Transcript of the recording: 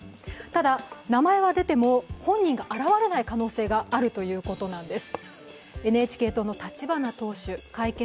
ただ、名前は出ても本人が現れない可能性があるということなんです。